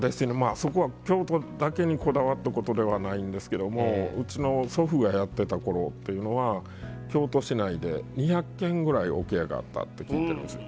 そこは京都だけにこだわったことではないんですけどもうちの祖父がやってたころというのは京都市内で２００軒ぐらい桶屋があったって聞いてるんです。